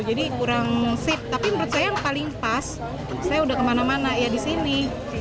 jadi kurang sip tapi menurut saya yang paling pas saya udah kemana mana ya di sini